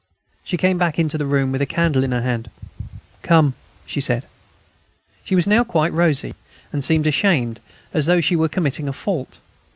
She came back into the room, with a candle in her hand. "Come," she said. She was now quite rosy, and seemed ashamed, as though she were committing a fault.